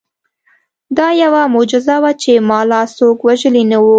دا یوه معجزه وه چې ما لا څوک وژلي نه وو